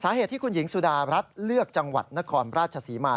สาเหตุที่คุณหญิงสุดารัฐเลือกจังหวัดนครราชศรีมา